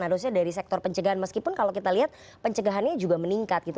harusnya dari sektor pencegahan meskipun kalau kita lihat pencegahannya juga meningkat gitu